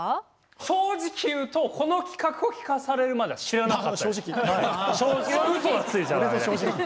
正直言うとこの企画を聞かされるまでは知らなかったです。